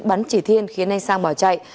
bắn chỉ thiên khiến anh sang bỏ chạy